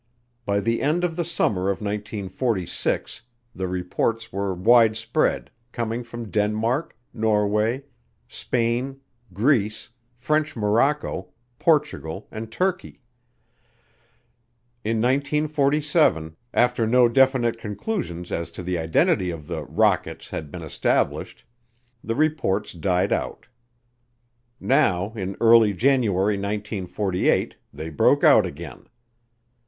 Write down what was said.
By the end of the summer of 1946 the reports were widespread, coming from Denmark, Norway, Spain, Greece, French Morocco, Portugal, and Turkey. In 1947, after no definite conclusions as to identity of the "rockets" had been established, the reports died out. Now in early January 1948 they broke out again.